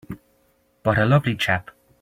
But a lovely chap!